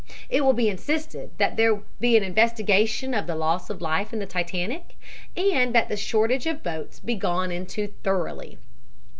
It will be insisted that there be an investigation of the loss of life in the Titanic and that the shortage of boats be gone into thoroughly.